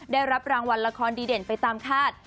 ได้รับรางวัลละครดีเด่นไปตามคาด